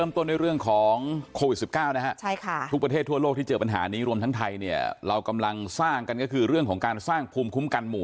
ทุกประเทศทั่วโลกที่เจอปัญหานี้รวมทั้งไทยเรากำลังสร้างกันก็คือเรื่องของการสร้างภูมิคุ้มกันหมู่